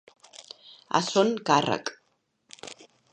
A son càrrec.